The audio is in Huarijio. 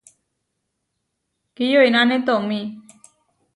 Kiyoináne tomí.